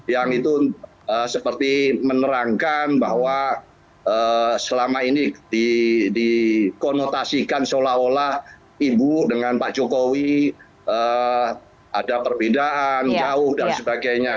yang itu seperti menerangkan bahwa selama ini dikonotasikan seolah olah ibu dengan pak jokowi ada perbedaan jauh dan sebagainya